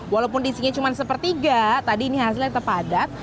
walaupun disinya cuma sepertiga tadi ini hasilnya terpadat